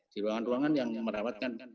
di ruangan ruangan yang merawat kan